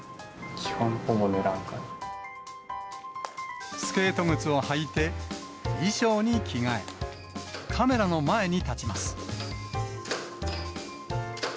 基本、スケート靴を履いて、衣装に着替え、カメラの前に立ちます。